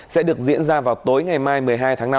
sẽ được diễn ra vào tối ngày mai một mươi hai tháng năm